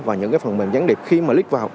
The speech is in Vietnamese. và những cái phần mềm gián điệp khi mà lit vào